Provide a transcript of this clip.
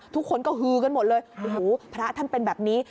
ทุกคนก็ฮือกันหมดเลยโอ้โหพระท่านเป็นแบบนี้